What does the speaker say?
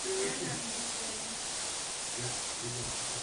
Ocurre cuando un jugador marca tres goles en un partido.